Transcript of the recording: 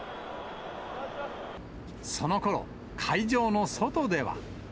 そのころ、会場の外では。